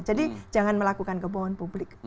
jadi jangan melakukan kebohongan publik